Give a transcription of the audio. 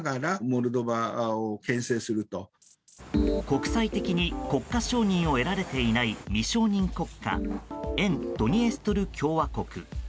国際的に国家承認を得られていない未承認国家沿ドニエストル共和国。